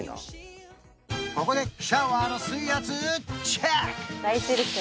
ここでシャワーの水圧チェック！